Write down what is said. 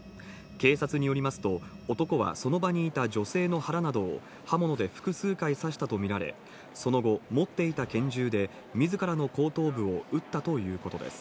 警察によりますと、男はその場にいた女性の腹などを刃物で複数回刺したと見られ、その後、持っていた拳銃でみずからの後頭部を撃ったということです。